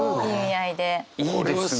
いいですね！